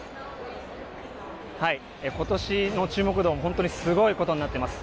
ことしの注目度、本当にすごいことになっています。